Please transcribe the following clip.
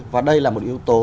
và đây là một yếu tố